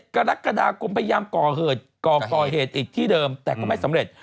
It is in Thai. กรกฎาคมพยายามก่อเหตุอีกที่เดิมแต่ก็ไม่สำเร็จ